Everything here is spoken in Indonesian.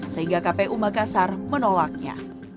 sehingga kpu makassar menolaknya